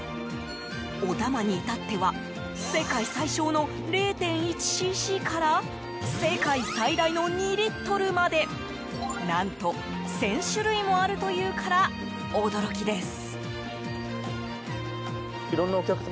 おたまに至っては世界最小の０．１ｃｃから世界最大の２リットルまで何と、１０００種類もあるというから驚きです。